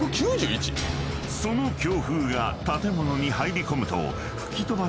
［その強風が建物に入り込むと］